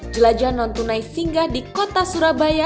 jelajah non tunai singgah di kota surabaya